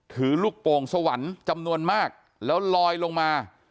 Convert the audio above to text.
ถือลูกโป่งสวรรค์จำนวนมากแล้วลอยลงมา